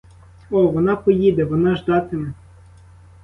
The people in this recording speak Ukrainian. О, вона поїде, вона ждатиме!